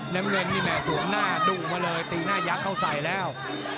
น้ำเงินนี่แม่สวมหน้าดูมาเลยตีหน้ายักษ์เข้าใส่แล้ว